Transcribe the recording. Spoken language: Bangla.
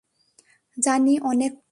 জানি, অনেক পড়া।